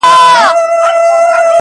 هره ورځ لکه لېندۍ پر ملا کږېږم-